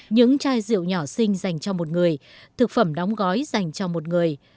những chai rượu nhỏ sinh dành cho một người thực phẩm đóng gói dành cho một người